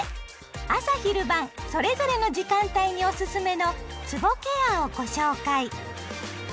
朝・昼・晩それぞれの時間帯におすすめのつぼケアをご紹介。